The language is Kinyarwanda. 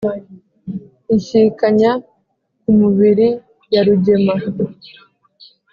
inshyikanya ku mubiri ya rugema